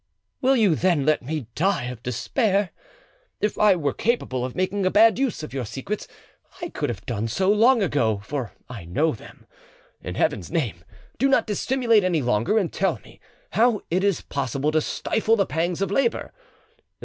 "Will you then let me die of despair? If I were capable of making a bad use of your secrets, I could have done so long ago, for I know them. In Heaven's name, do not dissimulate any longer, and tell me how it is possible to stifle the pangs of labour.